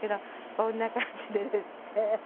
こんな感じでですね。